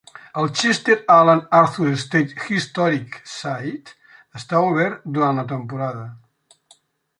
El "Chester Alan Arthur State Historic Site" està obert durant la temporada.